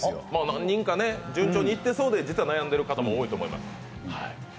何人かね、順調にいってそうで実は悩んでる方多いと思います。